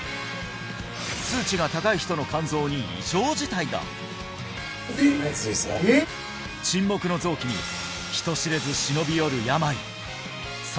数値が高い人のまずいぞ沈黙の臓器に人知れず忍び寄る病